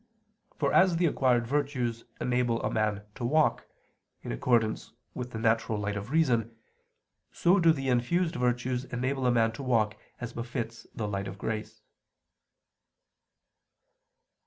For as the acquired virtues enable a man to walk, in accordance with the natural light of reason, so do the infused virtues enable a man to walk as befits the light of grace.